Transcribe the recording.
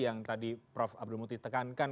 yang tadi prof abdul muti tekankan